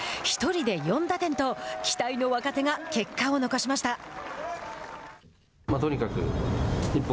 １人で４打点と期待の若手が結果を残しました。